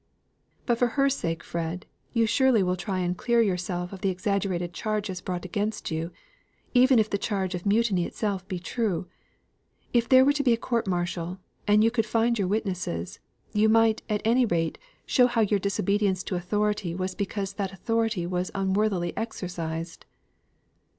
"But for her sake, Fred, you surely will try and clear yourself of the exaggerated charges brought against you, even if the charge of mutiny itself be true. If there were to be a court martial, and you could find your witnesses, you might, at any rate, show your disobedience to authority was because that authority was unworthily exercised."